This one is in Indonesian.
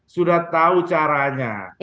sudah tahu caranya